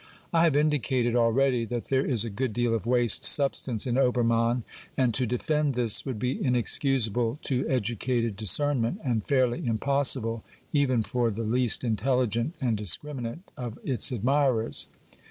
I have indicated already that there is a good deal of waste substance in Obermann, and to defend this would be inexcusable to educated discernment and fairly impossible even for the least intelligent and discriminate of its admirers.